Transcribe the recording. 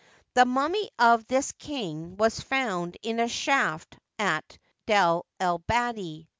The mummy of this kine was found in a shaft at D6r el bahiri.